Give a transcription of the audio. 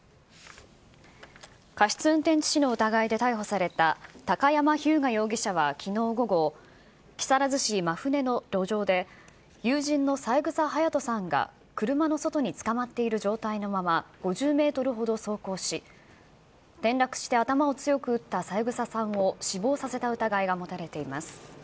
過失運転致死の疑いで逮捕された、高山飛勇我容疑者はきのう午後、木更津市真舟の路上で、友人の三枝隼年さんが、車の外につかまっている状態のまま、５０メートルほど走行し、転落して頭を強く打った三枝さんを死亡させた疑いが持たれています。